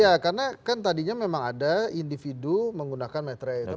ya karena kan tadinya memang ada individu menggunakan metre tapi itu sudah selesai